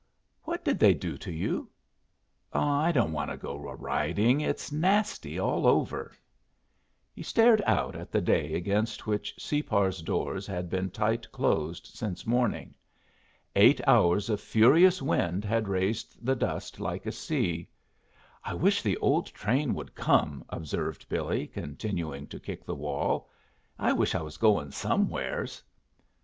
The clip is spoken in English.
"What did they do to you? Ah, I don't want to go a riding. It's nasty all over." He stared out at the day against which Separ's doors had been tight closed since morning. Eight hours of furious wind had raised the dust like a sea. "I wish the old train would come," observed Billy, continuing to kick the wall. "I wish I was going somewheres."